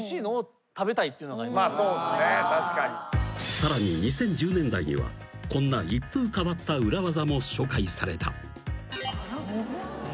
［さらに２０１０年代にはこんな一風変わった裏技も紹介された］